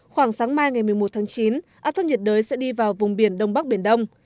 khoảng sáng mai ngày một mươi một tháng chín áp thấp nhiệt đới sẽ đi vào vùng biển đông bắc biển đông